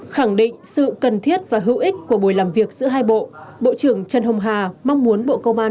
khẳng định sự cần thiết và hữu ích của buổi làm việc giữa hai bộ bộ trưởng trần hồng hà mong muốn bộ công an